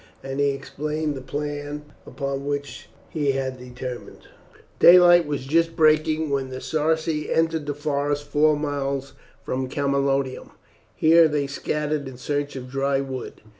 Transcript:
And he explained the plan upon which he had determined. Daylight was just breaking when the Sarci entered the forest four miles from Camalodunum. Here they scattered in search of dry wood.